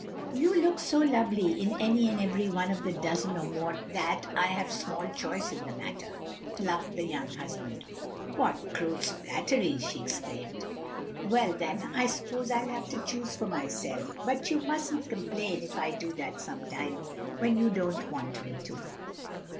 "You look so lovely in any and every one of the dozen or more that I have small choice in the matter," laughed the young husband. "What gross flattery!" she exclaimed. "Well, then, I suppose I'll have to choose for myself. But you mustn't complain if I do that some time when you don't want me to."